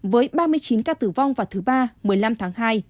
với ba mươi chín ca tử vong vào thứ ba một mươi năm tháng hai